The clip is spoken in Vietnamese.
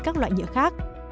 các loại nhựa khác